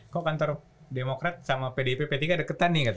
kok kantor demokrat sama pdb p tiga deketan nih katanya kita